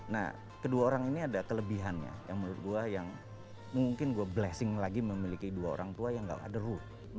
nah kedua orang ini ada kelebihannya yang menurut gue yang mungkin gue blessing lagi memiliki dua orang tua yang gak ada rule